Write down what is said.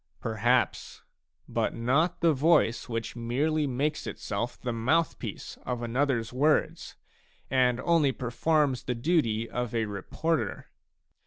Perhaps, but not the voice which merely makes itself the mouth piece of anothers words, and only performs the duty of a reporter.